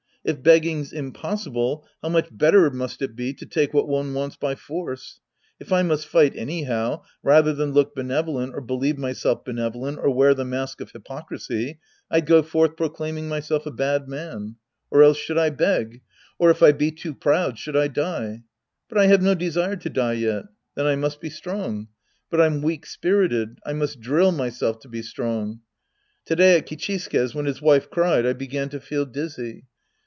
If begging's impossible, how much better must it be to take what one wants by force. If I must fight anyhow, rather than look benevolent or believe myself benevolent or wear the mask of hypocrisy, I'd go forth proclaiming myself a bad man. Or else should I beg ? Or if I be too proud, should I die ? But I have no desire to die yet. Then I must be strong. But I'm weak spirited. I must drill myself to be strong. To day at Kichisuke's when his wife cried, I began to feel dizzy.